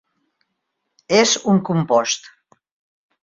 És un compost.